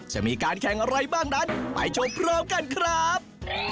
จะมีการแข่งอะไรบ้างนั้นไปชมพร้อมกันครับ